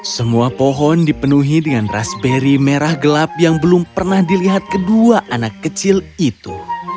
semua pohon dipenuhi dengan raspberry merah gelap yang belum pernah dilihat kedua anak kecil itu